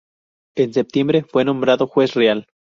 En septiembre fue nombrado juez real.